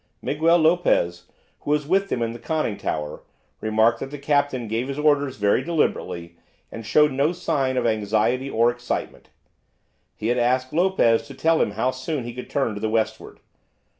Miguel Lopez, who was with him in the conning tower, remarked that the admiral gave his orders very deliberately, and showed no sign of anxiety or excitement. He had asked Lopez to tell him how soon he could turn to the westward.